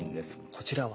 こちらは？